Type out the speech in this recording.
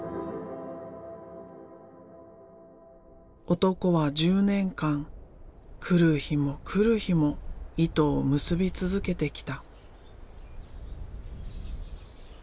男は１０年間来る日も来る日も糸を結び続けてきた。